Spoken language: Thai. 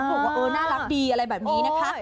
บอกว่าเออน่ารักดีอะไรแบบนี้นะคะ